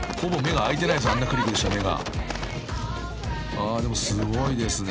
［ああでもすごいですね］